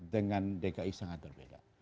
dengan dki sangat berbeda